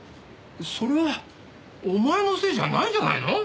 それお前のせいじゃないんじゃないの？